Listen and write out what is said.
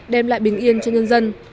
đem lại bình yên cho nhân dân